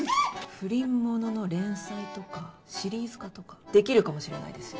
不倫ものの連載とかシリーズ化とかできるかもしれないですよ。